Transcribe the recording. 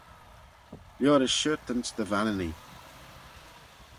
Liorish shiartanse dy Vanninee.